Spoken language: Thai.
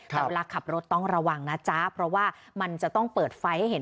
แต่เวลาขับรถต้องระวังนะจ๊ะเพราะว่ามันจะต้องเปิดไฟให้เห็น